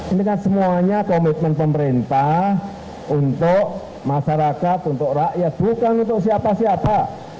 ini kan semuanya komitmen pemerintah untuk masyarakat untuk rakyat bukan untuk siapa siapa